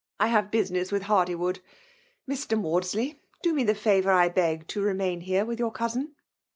I have basiness with Hardywood. Mr. Mandfllfy, do me the Ikrour, Ilieg, to vmaiA here with your cousin."